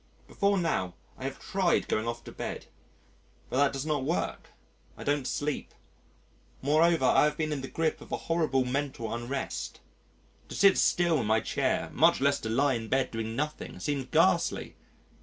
Before now I have tried going off to bed. But that does not work I don't sleep. Moreover, I have been in the grip of a horrible mental unrest. To sit still in my chair, much less to lie in bed doing nothing seemed ghastly.